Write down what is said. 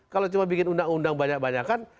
kalau cuma bikin undang undang banyak banyakan